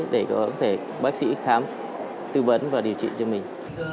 để có thể bác sĩ khám tư vấn và điều trị cho mình